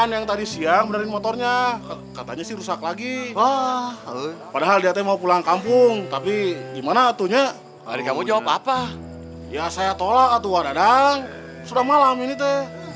ya saya tolak tuhan sudah malam ini tuh